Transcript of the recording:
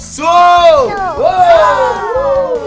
สู้